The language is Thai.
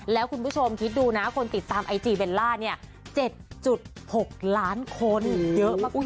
แล้วคุณผู้ชมคิดดูนะคนติดตามไอจีเบลล่าเนี่ย๗๖ล้านคนเยอะมาก